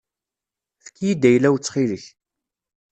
Efk-iyi-d ayla-w ttxil-k.